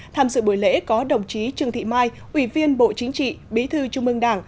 tham dự buổi lễ có đồng chí trương thị mai ủy viên bộ chính trị bí thư trung ương đảng